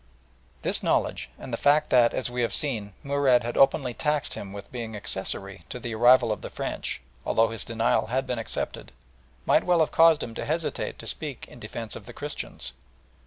This knowledge, and the fact that, as we have seen, Murad had openly taxed him with being accessory to the arrival of the French, although his denial had been accepted, might well have caused him to hesitate to speak in defence of the Christians.